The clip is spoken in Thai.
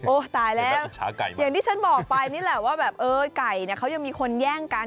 ตายแล้วอย่างที่ฉันบอกไปนี่แหละว่าแบบเอ้ยไก่เนี่ยเขายังมีคนแย่งกัน